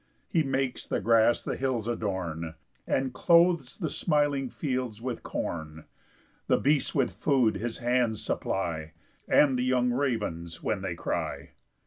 6 He makes the grass the hills adorn, And clothes the smiling fields with corn, The beasts with food his hands supply, And the young ravens when they cry.